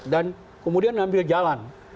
dan kemudian ambil jalan